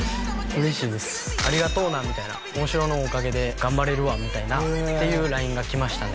嬉しいですありがとうなみたいな旺志郎のおかげで頑張れるわみたいなっていうＬＩＮＥがきましたね